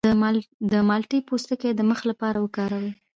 د مالټې پوستکی د مخ لپاره وکاروئ